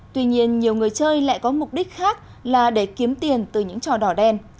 tuy nhiên nhiều người chơi lại có mục đích khác là để kiếm tiền từ những trò đỏ đen